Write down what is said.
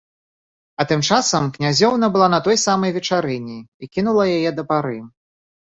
А тым часам князёўна была на той самай вечарыне і кінула яе да пары.